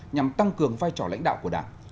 nhằm tăng cường vai trò lãnh đạo của đảng